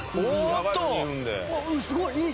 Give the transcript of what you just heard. すごい。